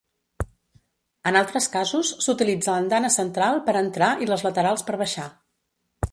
En altres casos, s'utilitza l'andana central per entrar i les laterals per baixar.